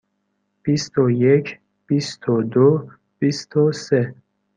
بیست و یک، بیست و دو، بیست و سه.